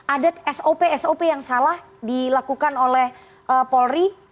ada sop sop yang salah dilakukan oleh polri